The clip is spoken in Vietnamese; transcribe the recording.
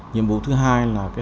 nhiệm vụ thứ hai là